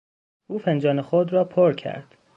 او فنجان خود را پر کرد.